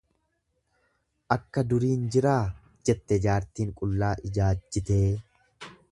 Akka duriin jiraa jette jaartiin qullaa ijaajjitee.